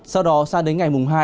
sau đó sang đến ngày mùng hai